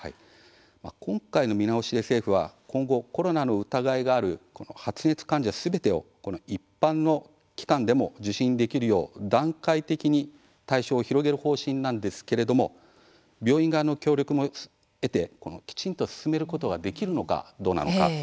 今回の見直しで政府は今後、コロナの疑いがある発熱患者すべてを一般の機関でも受診できるよう段階的に対象を広げる方針なんですけれども病院側の協力も得てきちんと進めることができるのかどうなのか。